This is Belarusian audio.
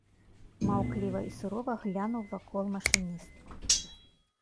Маўкліва і сурова глянуў вакол машыніст.